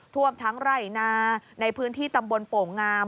ท่วมทั้งไร่นาในพื้นที่ตำบลโป่งงาม